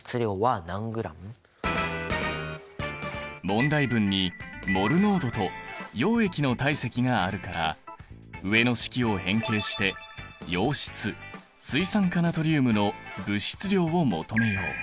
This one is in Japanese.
問題文にモル濃度と溶液の体積があるから上の式を変形して溶質水酸化ナトリウムの物質量を求めよう。